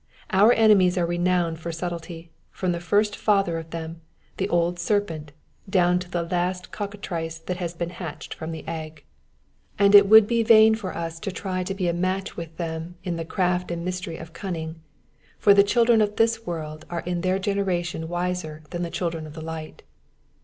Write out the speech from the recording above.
Our enemies are renowned for subtlety, from the first father of them, the old serpent, down to the last cockatrice that has been hatched from the egg ; Digitized by VjOOQIC 230 EXPOSITIONS OF THE PSALMS. and it would be vain for us to try to be a match with them In the craft and mystery of cunning, for the children of this world are in their generation wiser than the children of light.